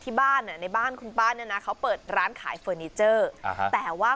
ที่บ้านอ่ะในบ้านคุณป้าเนี่ยนะเขาเปิดร้านขายเฟอร์นิเจอร์แต่ว่า